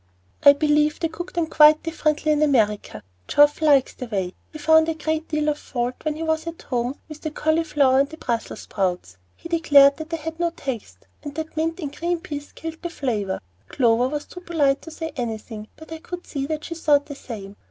"I believe they cook them quite differently in America. Geoff likes their way, and found a great deal of fault when he was at home with the cauliflower and the Brussels sprouts. He declared that they had no taste, and that mint in green peas killed the flavor. Clover was too polite to say anything, but I could see that she thought the same.